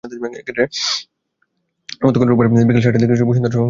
গতকাল রোববার বিকেল চারটার দিকে বসুন্ধরা শপিং মলের ফুড কোর্ট ছিল মোটামুটি সুনসান।